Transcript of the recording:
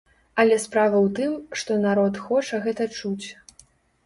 Але справа ў тым, што народ хоча гэта чуць.